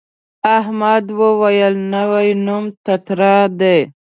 احمد وویل نوی نوم تتارا دی.